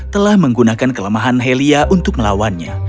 telah menggunakan kelemahan helia untuk melawannya